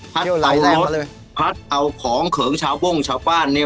ไหลแรงมาเลยพัดเอาของเขิงชาวโบ้งชาวบ้านเนี่ย